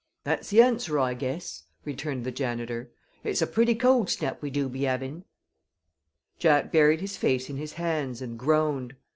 "That's the answer, I guess," returned the janitor. "Ut's a pretty cold snap we do be havin'." Jack buried his face in his hands and groaned.